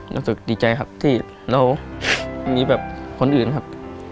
รู้สึกดีใจครับที่เรามีแบบคนอื่นครับ